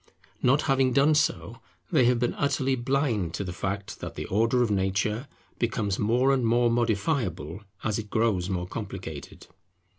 Not having done so, they have been utterly blind to the fact that the Order of nature becomes more and more modifiable as it grows more complicated.